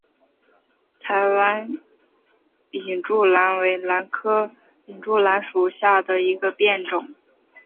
台湾隐柱兰为兰科隐柱兰属下的一个变种。